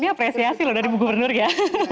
ini apresiasi loh dari gubernur ya